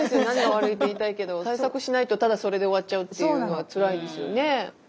「何が悪い」って言いたいけど対策しないとただそれで終わっちゃうっていうのはつらいですよね。